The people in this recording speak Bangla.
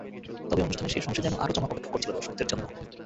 তবে অনুষ্ঠানের শেষ অংশে যেন আরও চমক অপেক্ষা করছিল দর্শকদের জন্য।